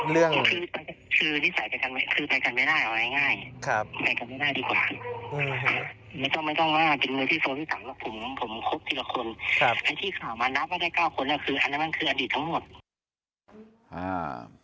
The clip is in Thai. ได้๙คนก็คืออันนั้นมันคืออดีตทั้งหมด